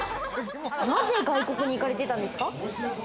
なぜ外国に行かれてたんですか？